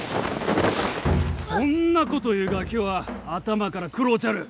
そんなこと言うガキは頭から食ろうちゃる！